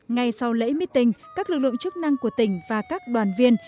ngay sau lễ mít tình các lực lượng chức năng của tỉnh và các đoàn viên